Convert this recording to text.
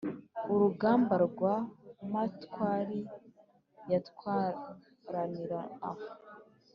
urugamba rwa matwari yatwaranira ho